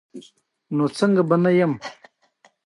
خپلې کورنۍ کرنسۍ ته بېرته ګرځېدل ستونزمن کار دی.